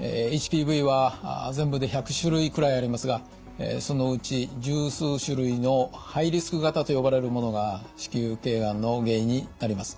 ＨＰＶは全部で１００種類くらいありますがそのうち１０数種類のハイリスク型と呼ばれるものが子宮頸がんの原因になります。